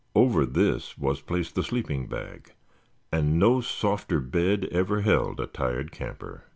Over this was placed the sleeping bag, and no softer bed ever held a tired camper.